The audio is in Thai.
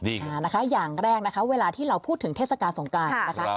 นะคะอย่างแรกนะคะเวลาที่เราพูดถึงเทศกาลสงการนะคะ